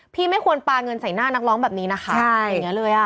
ไม่ควรปลาเงินใส่หน้านักร้องแบบนี้นะคะอย่างนี้เลยอ่ะ